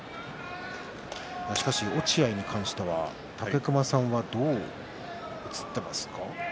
落合に関しては武隈さん、どう映っていますか？